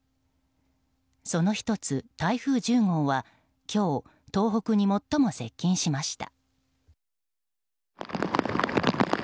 その１つ、台風１０号は今日、東北に最も接近しました。